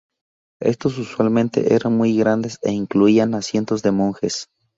Estos usualmente eran muy grandes e incluían a cientos de monjes.